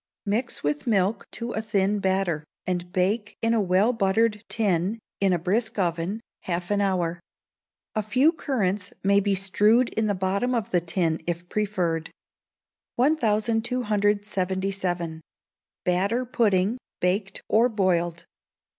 Mix with milk to a thin batter, and bake in a well buttered tin, in a brisk oven, half an hour. A few currants may be strewed in the bottom of the tin if preferred. 1277. Batter Pudding, Baked or Boiled.